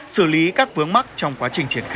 xử lý các vướng mắc trong quá trình triển khai